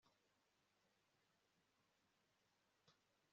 Ibyishimo byibibazo bihanganye